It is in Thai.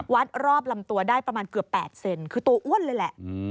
รอบลำตัวได้ประมาณเกือบ๘เซนคือตัวอ้วนเลยแหละ